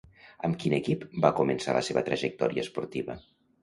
Amb quin equip va començar la seva trajectòria esportiva?